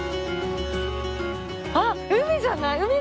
あっ海じゃない？